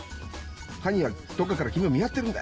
犯人はどっかから君を見張ってるんだ。